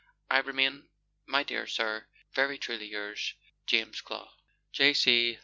I remain, my dear Sir, Very truly yours, JAMES CLOW. C. J.